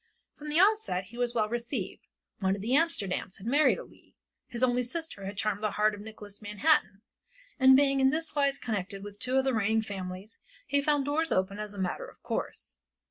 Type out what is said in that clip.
From the onset he was well received; one of the Amsterdams had married a Leigh, his only sister had charmed the heart of Nicholas Manhattan, and being in this wise connected with two of the reigning families, he found the doors open as a matter of course.